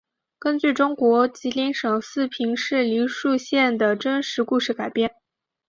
根据中国吉林省四平市梨树县的真实故事改编。